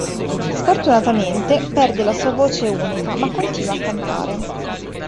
Sfortunatamente, perde la sua voce unica ma continua a cantare.